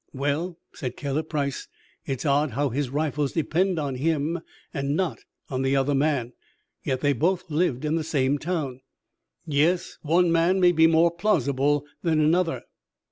"Well," said Caleb Price, "it is odd how his rifles depend on him and not on the other man. Yet they both lived in the same town." "Yes, one man may be more plausible than another."